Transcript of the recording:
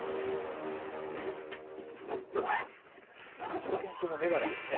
しゅと犬くんも眼鏡ですね。